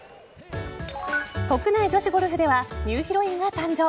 国内女子ゴルフではニューヒロインが誕生。